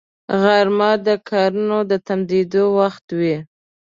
غرمه د کارونو د تمېدو وخت وي